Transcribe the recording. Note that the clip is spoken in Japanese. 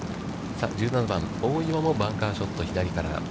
１７番、大岩もバンカーショット、左から。